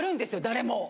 誰も。